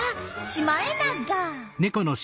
シマエナガ。